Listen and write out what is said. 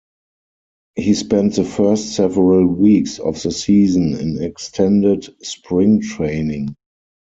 He spent the first several weeks of the season in extended spring training.